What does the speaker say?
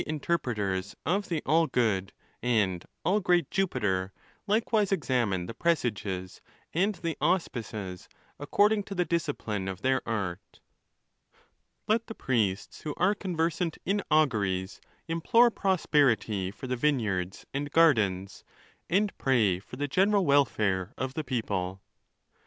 437 anterpreters of the all good and all great Jupiter, likewise ex amine the presages and the auspices, according to the disci pline of their art. Let the priests who are conversant in auguries implore prosperity for the vineyards and gardens, and pray for the general welfare of the people.